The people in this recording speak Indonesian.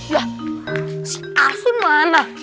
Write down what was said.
yah si asun mana